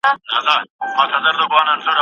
که ته په املا کي هره ورځ خپله لیکنه اصلاح کړې.